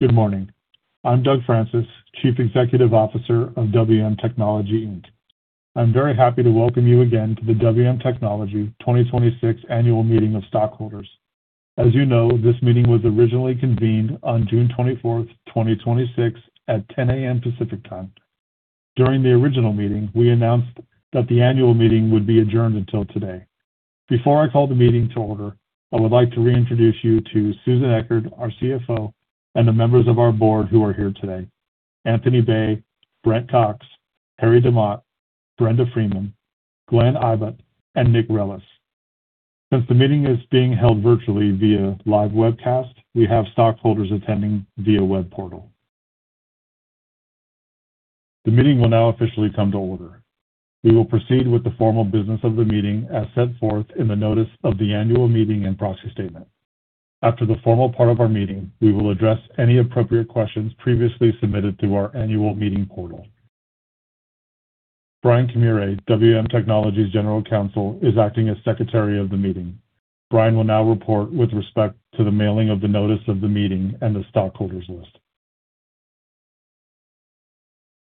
Good morning. I'm Doug Francis, Chief Executive Officer of WM Technology. I'm very happy to welcome you again to the WM Technology 2026 Annual Meeting of Stockholders. As you know, this meeting was originally convened on June 24th, 2026 at 10:00 A.M. Pacific Time. During the original meeting, we announced that the annual meeting would be adjourned until today. Before I call the meeting to order, I would like to reintroduce you to Susan Echard, our CFO, and the members of our board who are here today, Anthony Bay, Brent Cox, Harry DeMott, Brenda Freeman, Glen Ibbott, and Nick Rellas. Since the meeting is being held virtually via live webcast, we have stockholders attending via web portal. The meeting will now officially come to order. We will proceed with the formal business of the meeting as set forth in the notice of the annual meeting and proxy statement. After the formal part of our meeting, we will address any appropriate questions previously submitted through our annual meeting portal. Brian Camire, WM Technology's General Counsel, is acting as Secretary of the meeting. Brian will now report with respect to the mailing of the notice of the meeting and the stockholders list.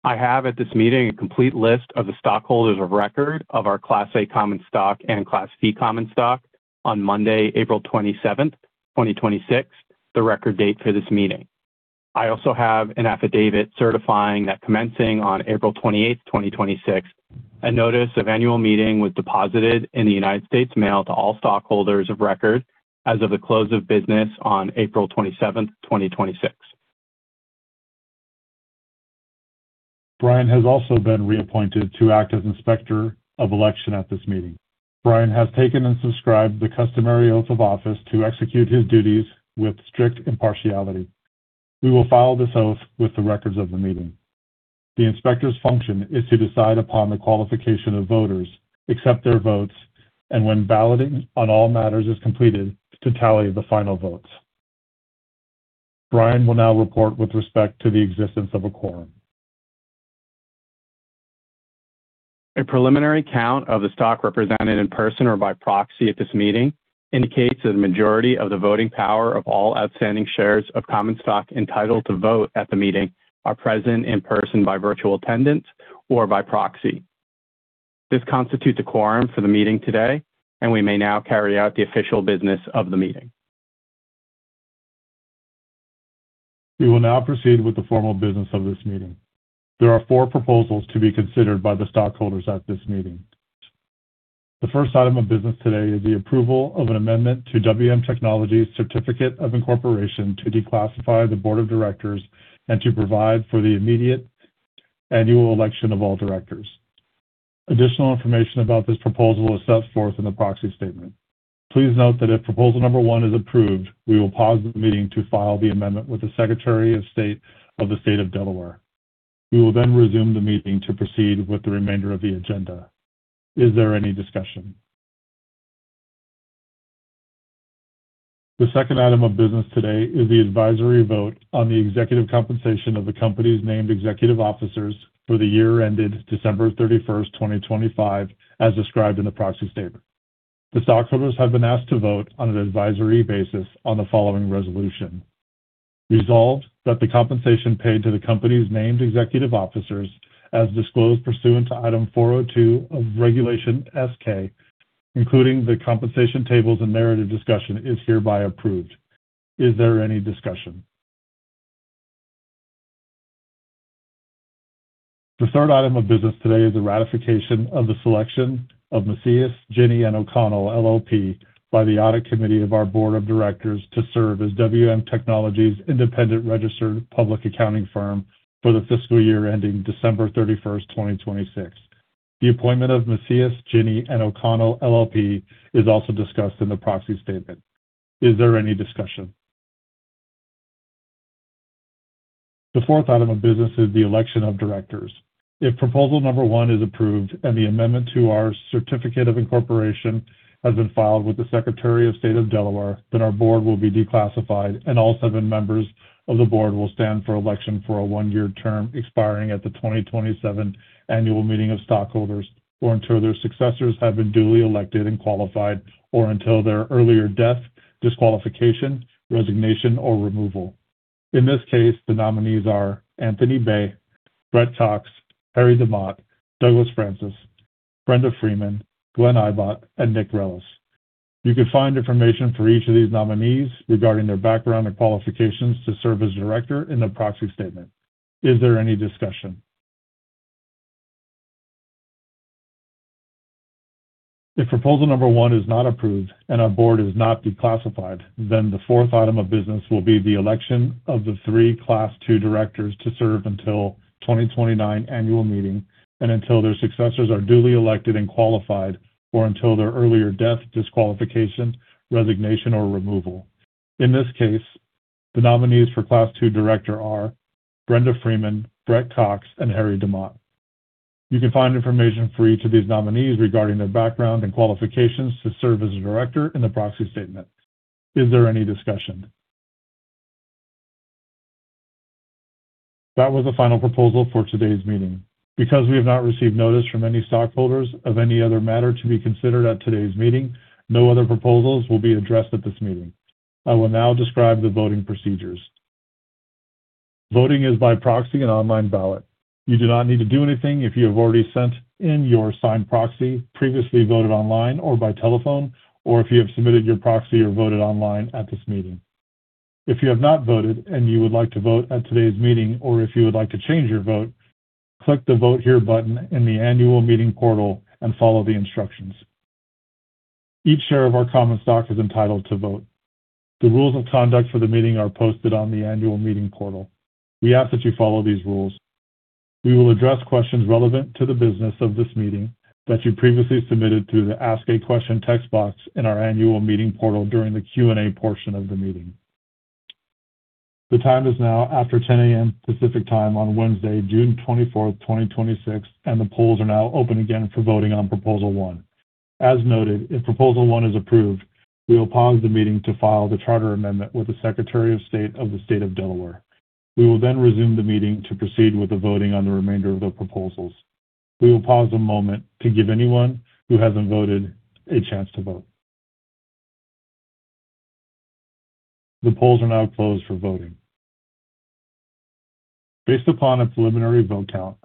I have at this meeting a complete list of the stockholders of record of our Class A common stock and Class B common stock on Monday, April 27th, 2026, the record date for this meeting. I also have an affidavit certifying that commencing on April 28th, 2026, a notice of annual meeting was deposited in the United States Mail to all stockholders of record as of the close of business on April 27th, 2026. Brian has also been reappointed to act as Inspector of Election at this meeting. Brian has taken and subscribed the customary oath of office to execute his duties with strict impartiality. We will file this oath with the records of the meeting. The inspector's function is to decide upon the qualification of voters, accept their votes, and when balloting on all matters is completed, to tally the final votes. Brian will now report with respect to the existence of a quorum. A preliminary count of the stock represented in person or by proxy at this meeting indicates that the majority of the voting power of all outstanding shares of common stock entitled to vote at the meeting are present in person by virtual attendance or by proxy. This constitutes a quorum for the meeting today, and we may now carry out the official business of the meeting. We will now proceed with the formal business of this meeting. There are four proposals to be considered by the stockholders at this meeting. The first item of business today is the approval of an amendment to WM Technology's Certificate of Incorporation to declassify the board of directors and to provide for the immediate annual election of all directors. Additional information about this proposal is set forth in the proxy statement. Please note that if proposal number one is approved, we will pause the meeting to file the amendment with the Secretary of State of the State of Delaware. We will then resume the meeting to proceed with the remainder of the agenda. Is there any discussion? The second item of business today is the advisory vote on the executive compensation of the company's named executive officers for the year ended December 31st, 2025, as described in the proxy statement. The stockholders have been asked to vote on an advisory basis on the following resolution. Resolved that the compensation paid to the company's named executive officers, as disclosed pursuant to Item 402 of Regulation S-K, including the compensation tables and narrative discussion, is hereby approved. Is there any discussion? The third item of business today is the ratification of the selection of Macias, Gini & O'Connell LLP by the Audit Committee of our Board of Directors to serve as WM Technology's independent registered public accounting firm for the fiscal year ending December 31st, 2026. The appointment of Macias, Gini & O'Connell LLP is also discussed in the proxy statement. Is there any discussion? The fourth item of business is the election of directors. If proposal number one is approved and the amendment to our Certificate of Incorporation has been filed with the Secretary of State of Delaware, then our board will be declassified, and all seven members of the board will stand for election for a one-year term expiring at the 2027 Annual Meeting of Stockholders, or until their successors have been duly elected and qualified, or until their earlier death, disqualification, resignation, or removal. In this case, the nominees are Anthony Bay, Brent Cox, Harry DeMott, Douglas Francis, Brenda Freeman, Glen Ibbott, and Nick Rellas. You can find information for each of these nominees regarding their background and qualifications to serve as a director in the proxy statement. Is there any discussion? If proposal number one is not approved and our board is not declassified, the fourth item of business will be the election of the three Class 2 directors to serve until 2029 annual meeting and until their successors are duly elected and qualified, or until their earlier death, disqualification, resignation, or removal. In this case, the nominees for Class 2 director are Brenda Freeman, Brent Cox, and Harry DeMott. You can find information for each of these nominees regarding their background and qualifications to serve as a director in the proxy statement. Is there any discussion? That was the final proposal for today's meeting. We have not received notice from any stockholders of any other matter to be considered at today's meeting, no other proposals will be addressed at this meeting. I will now describe the voting procedures. Voting is by proxy and online ballot. You do not need to do anything if you have already sent in your signed proxy, previously voted online or by telephone, or if you have submitted your proxy or voted online at this meeting. If you have not voted and you would like to vote at today's meeting, or if you would like to change your vote, click the Vote Here button in the annual meeting portal and follow the instructions. Each share of our common stock is entitled to vote. The rules of conduct for the meeting are posted on the annual meeting portal. We ask that you follow these rules. We will address questions relevant to the business of this meeting that you previously submitted through the Ask a Question text box in our annual meeting portal during the Q&A portion of the meeting. The time is now after 10:00 A.M. Pacific Time on Wednesday, June 24th, 2026, the polls are now open again for voting on proposal one. As noted, if proposal one is approved, we will pause the meeting to file the charter amendment with the Secretary of State of the State of Delaware. We will resume the meeting to proceed with the voting on the remainder of the proposals. We will pause a moment to give anyone who hasn't voted a chance to vote. The polls are now closed for voting. Based upon a preliminary vote count,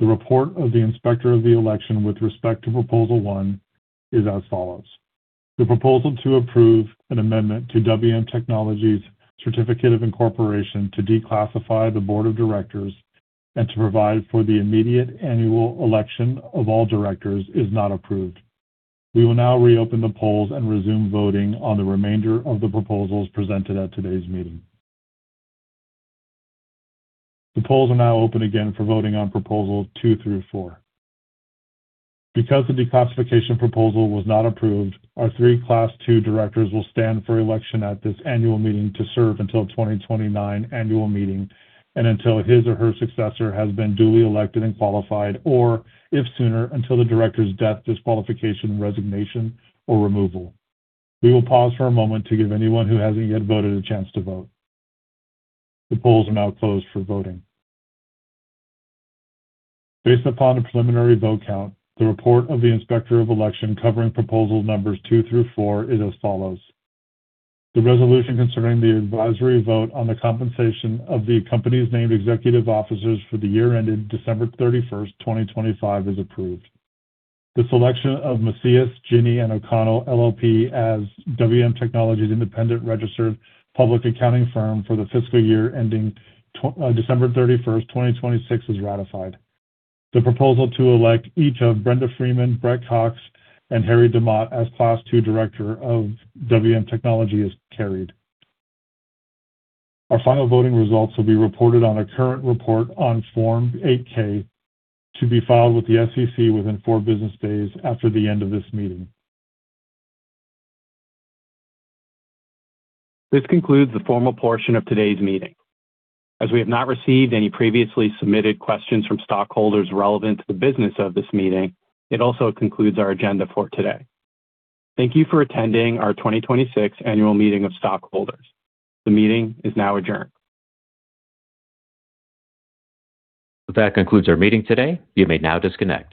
the report of the inspector of the election with respect to proposal one is as follows: The proposal to approve an amendment to WM Technology's Certificate of Incorporation to declassify the board of directors and to provide for the immediate annual election of all directors is not approved. We will now reopen the polls and resume voting on the remainder of the proposals presented at today's meeting. The polls are now open again for voting on proposals two through four. The declassification proposal was not approved, our three Class 2 directors will stand for election at this annual meeting to serve until 2029 annual meeting, and until his or her successor has been duly elected and qualified, or if sooner, until the director's death, disqualification, resignation, or removal. We will pause for a moment to give anyone who hasn't yet voted a chance to vote. The polls are now closed for voting. Based upon a preliminary vote count, the report of the inspector of election covering proposal numbers two through four is as follows: The resolution concerning the advisory vote on the compensation of the company's named executive officers for the year ended December 31st, 2025 is approved. The selection of Macias, Gini & O'Connell LLP as WM Technology's independent registered public accounting firm for the fiscal year ending December 31st, 2026 is ratified. The proposal to elect each of Brenda Freeman, Brent Cox, and Harry DeMott as Class 2 director of WM Technology is carried. Our final voting results will be reported on a current report on Form 8-K, to be filed with the SEC within four business days after the end of this meeting. This concludes the formal portion of today's meeting. As we have not received any previously submitted questions from stockholders relevant to the business of this meeting, it also concludes our agenda for today. Thank you for attending our 2026 Annual Meeting of Stockholders. The meeting is now adjourned. That concludes our meeting today. You may now disconnect.